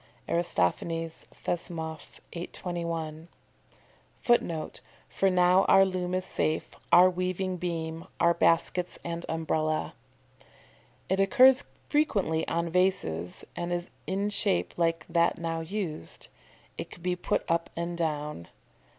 Aristophanes, Thesmoph., 821. [Footnote: "For now our loom is safe, our weaving beam, our baskets and umbrella."] It occurs frequently on vases, and is in shape like that now used. It could be put up and down.